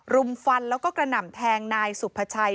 รุมฟันแล้วก็กระหน่ำแทงนายสุภาชัย